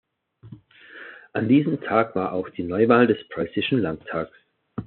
An diesem Tag war auch die Neuwahl des preußischen Landtags.